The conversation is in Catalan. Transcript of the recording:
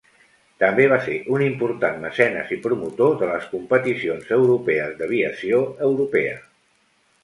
També va ser un important mecenes i promotor de les competicions europees d'aviació europea.